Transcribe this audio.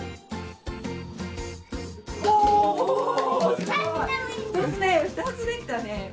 すごい！２つできたね。